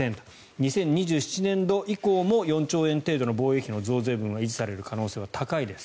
２０２７年度以降も４兆円程度の防衛費の増額分は維持される可能性は高いです。